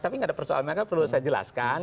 tapi tidak ada persoalan mereka perlu saya jelaskan